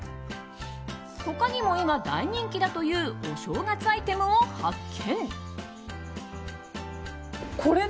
他にも今、大人気だというお正月アイテムを発見。